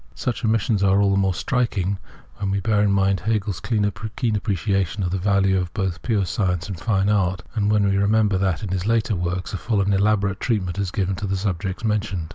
Such omissions are all the more striking when we bear in mind Hegel's keen appreciation of the value of both pure science and fine art, and when we remember that, in his later works, a full and elaborate treatment is given to the subjects just mentioned.